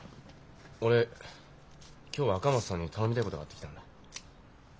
俺今日赤松さんに頼みたいことがあって来たんだ。